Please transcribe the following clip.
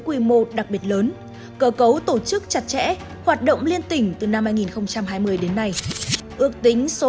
quy mô đặc biệt lớn cơ cấu tổ chức chặt chẽ hoạt động liên tỉnh từ năm hai nghìn hai mươi đến nay ước tính số